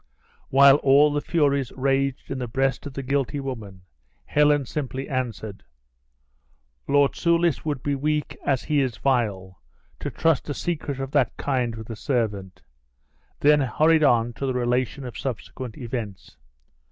While all the furies raged in the breast of the guilty woman, Helen simply answered, "Lord Soulis would be weak as he is vile, to trust a secret of that kind with a servant;" then hurried on to the relation of subsequent events.